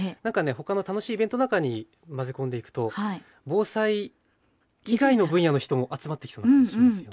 ほかの楽しいイベントの中に混ぜ込んでいくと防災以外の分野の人も集まってきそうな感じしますよね。